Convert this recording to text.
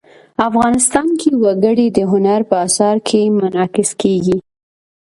افغانستان کې وګړي د هنر په اثار کې منعکس کېږي.